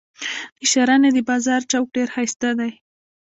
د شرنۍ د بازار چوک ډیر شایسته دي.